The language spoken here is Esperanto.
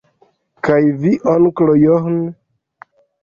Kaj vi, onklo John?